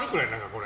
これ。